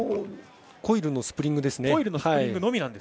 コイルのスプリングです。